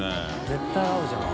絶対合うじゃん。